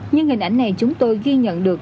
nhưng hình ảnh này chúng tôi ghi nhận được